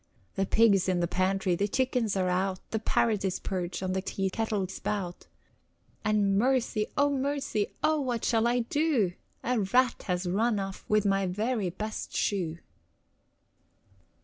The pig's in the pantry, The chickens are out, The parrot is perched On the tea kettle spout. And mercy, Oh, mercy, Oh, what shall I do? A rat has run off With my very best shoe.